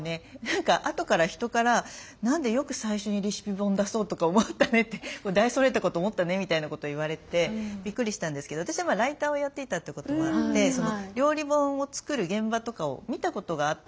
何かあとから人から「何でよく最初にレシピ本出そうとか思ったね」って「大それたこと思ったね」みたいなこと言われてびっくりしたんですけど私ライターをやっていたっていうこともあって料理本を作る現場とかを見たことがあったんですね。